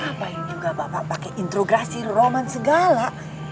ngapain juga bapak pakai introgasi roman segala